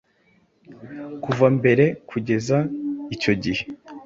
Kuva mbere kugeza icyo gihe